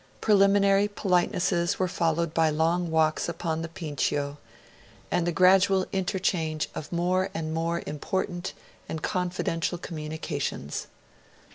Preliminary politenesses were followed by long walks upon the Pincio, and the gradual interchange of more and more important and confidential communications.